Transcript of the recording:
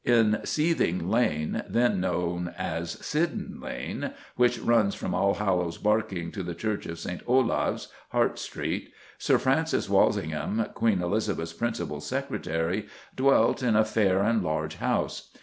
In Seething Lane, then known as Sidon Lane, which runs from Allhallows Barking to the Church of St. Olave's, Hart Street, Sir Francis Walsingham, Queen Elizabeth's principal secretary, dwelt "in a fair and large house."